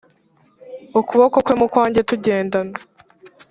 ukuboko kwe mu kwanjye tugendana